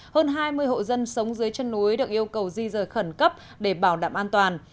hơn hai mươi hộ dân sống dưới chân núi được yêu cầu di rời khẩn cấp để bảo đảm an toàn